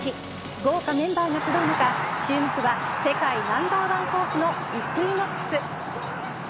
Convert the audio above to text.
豪華メンバーが集う中注目は世界ナンバーワンホースのイクイノックス。